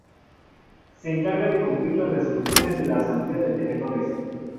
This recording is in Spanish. Se encarga de cumplir las resoluciones de la Asamblea de Tenedores.